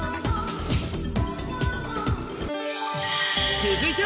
続いては